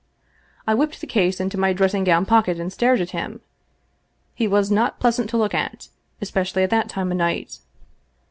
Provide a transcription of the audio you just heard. I whipped the case into my dressing gown pocket and stared at him. He was not pleasant to look at, especially at that time of night.